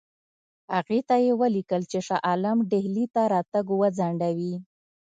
هغې ته یې ولیکل چې شاه عالم ډهلي ته راتګ وځنډوي.